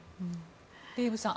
デーブさん